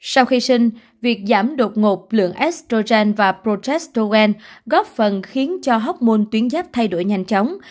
sau khi sinh việc giảm đột ngột lượng estrogen và progesterone góp phần khiến cho hốc môn tuyến giáp thay đổi nhanh chóng